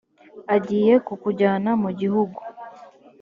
agiye kukujyana mu gihugu